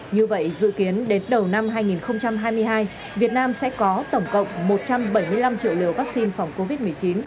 như vậy dự kiến đến đầu năm hai nghìn hai mươi hai việt nam sẽ có tổng cộng một trăm bảy mươi năm triệu liều vaccine phòng covid một mươi chín